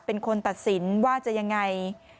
เป็นคนตัดสินว่าจะยังไง